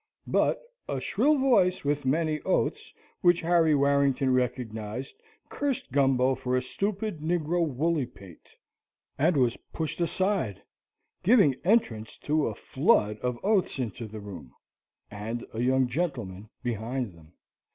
but a shrill voice, with many oaths, which Harry Warrington recognised, cursed Gumbo for a stupid, negro woolly pate, and he was pushed aside, giving entrance to a flood of oaths into the room, and a young gentleman behind them.